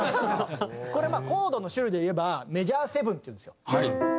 これまあコードの種類でいえばメジャーセブンっていうんですよ。